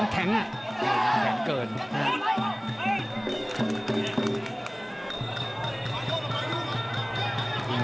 แข็งอ่ะแข็งเกิน